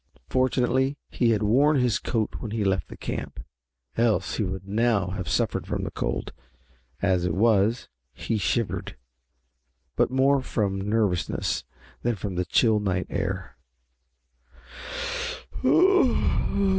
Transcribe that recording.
Fortunately he had worn his coat when he left the camp, else he would now have suffered from the cold. As it was, he shivered, but more from nervousness than from the chill night air.